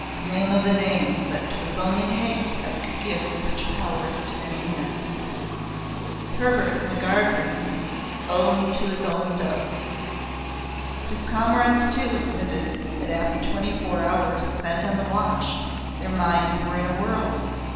Name of a name! but 'twas only hate that could give such powers to any man! Hebert, in the guard room, owned to his doubts. His comrades, too, admitted that after twenty four hours spent on the watch, their minds were in a whirl.